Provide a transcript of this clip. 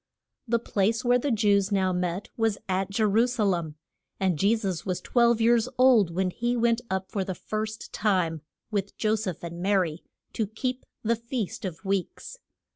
The place where the Jews now met was at Je ru sa lem, and Je sus was twelve years old when he went up for the first time, with Jo seph and Ma ry, to keep the Feast of the Weeks.